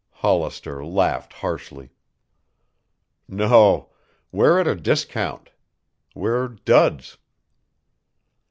Hollister laughed harshly. "No. We're at a discount. We're duds."